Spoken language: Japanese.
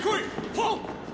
はっ！